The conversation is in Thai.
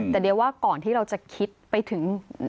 แต่เดี๋ยวว่าก่อนที่เราจะคิดไปถึง